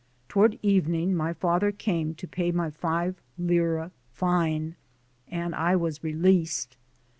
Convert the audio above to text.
Toward evening my father came to pay my five lire fine, and I was re leased.